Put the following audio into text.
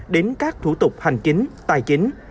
đến các thủ tục hành chính tài chính